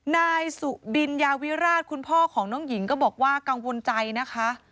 นายสุบินยาวิราชคุณพ่อของน้องหญิงก็บอกว่ากังวลใจนะคะ